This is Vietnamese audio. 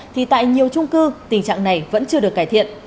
thì tại nhiều trung cư tình trạng này vẫn chưa được cải thiện